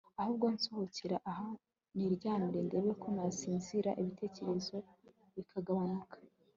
ahubwo nsohokera aha niryamire ndebe ko nasinzira ibitekerezo bikagabanyuka